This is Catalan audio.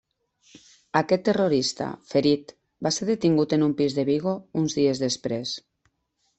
Aquest terrorista, ferit, va ser detingut en un pis de Vigo uns dies després.